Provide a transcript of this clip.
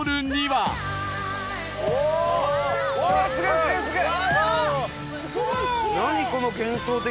すげえすげえすげえ！